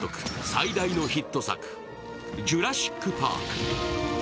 最大のヒット作「ジュラシック・パーク」。